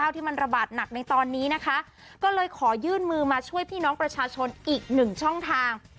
ที่มันระบาดหนักในตอนนี้นะคะก็เลยขอยื่นมือมาช่วยพี่น้องประชาชนอีกหนึ่งช่องทาง